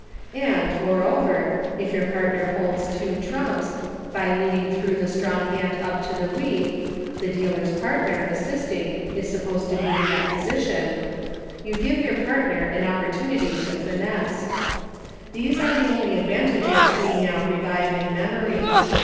And, moreover, if your partner holds two trumps, by leading through the strong hand up to the weak — the dealer's partner, assisting, is supposed to be in that position — you give your partner an opportu nity to finesse. These are the only advan tages we now revive in memory.